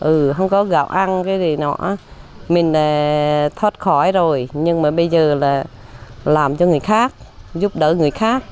ừ không có gạo ăn cái gì nữa mình là thoát khỏi rồi nhưng mà bây giờ là làm cho người khác giúp đỡ người khác